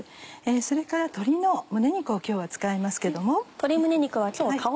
それから鶏の胸肉を今日は使いますけども。